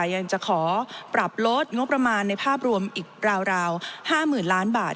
ยังจะขอปรับลดงบประมาณในภาพรวมอีกราว๕๐๐๐ล้านบาท